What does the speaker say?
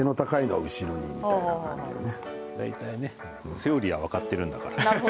セオリーは分かっているんだから。